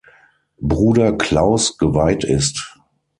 Bruder Klaus geweiht ist.